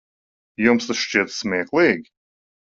Jums tas šķiet smieklīgi?